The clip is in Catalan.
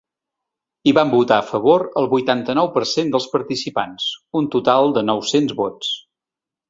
Hi van votar a favor el vuitanta-nou per cent dels participants, un total de nou-cents vots.